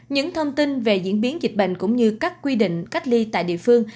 những thông tin về diễn biến dịch bệnh cũng như các quy định cách ly tại địa phương